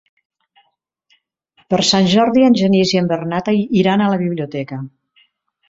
Per Sant Jordi en Genís i en Bernat iran a la biblioteca.